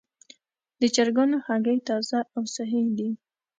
د چرګانو هګۍ تازه او صحي دي.